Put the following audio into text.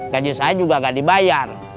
gaji saya juga nggak dibayar